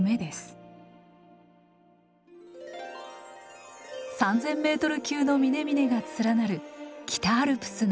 ３，０００メートル級の峰々が連なる北アルプスの立山連峰。